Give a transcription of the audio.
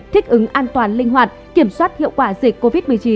thích ứng an toàn linh hoạt kiểm soát hiệu quả dịch covid một mươi chín